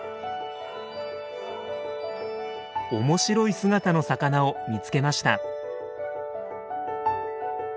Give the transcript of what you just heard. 面白い姿の魚を見つけました。